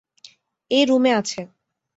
এই রুমে আছে।